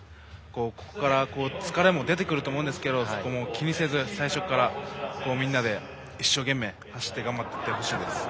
ここから疲れも出てくると思うんですがそこは気にせず、最初からみんなで一生懸命走って頑張ってほしいです。